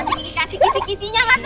nanti kasih kisih kisihnya masa